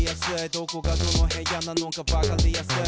「どこがどの部屋なのかわかりやすい」